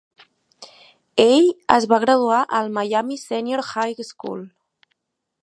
Ell es va graduar al Miami Senior High School.